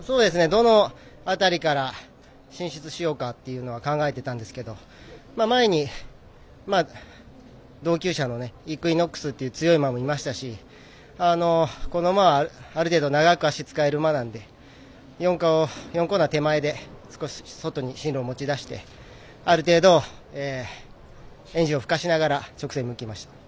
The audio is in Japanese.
どの辺りから進出しようかと考えてたんですけど前に、同きゅう舎のイクイノックスっていう強い馬もいましたしこの馬は、ある程度長く脚使える馬なので４コーナー手前で少し進路を外にもちだしてある程度エンジンをふかしながら直線へ抜きました。